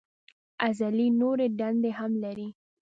عضلې نورې دندې هم لري.